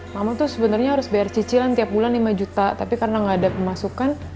mama tuh sebenarnya harus bayar cicilan tiap bulan lima juta tapi karena nggak ada pemasukan